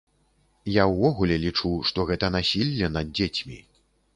Я ўвогуле лічу, што гэта насілле над дзецьмі.